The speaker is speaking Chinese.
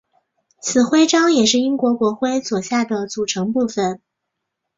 此徽章也是英国国徽左下的组成部分。